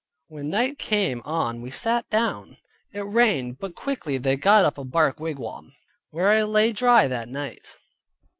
When night came on we sat down; it rained, but they quickly got up a bark wigwam, where I lay dry that night.